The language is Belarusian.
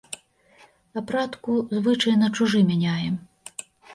Апратку, звычай на чужы мяняем.